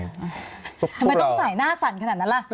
ทำไมต้องใส่หน้าสั่นขนาดนั้นล่ะ